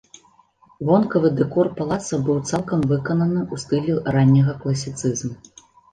Вонкавы дэкор палаца быў цалкам выкананы ў стылі ранняга класіцызму.